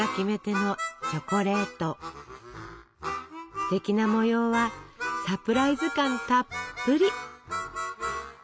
ステキな模様はサプライズ感たっぷり！